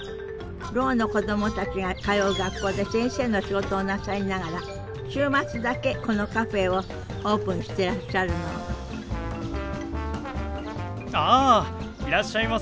ろうの子供たちが通う学校で先生の仕事をなさりながら週末だけこのカフェをオープンしてらっしゃるのあいらっしゃいませ。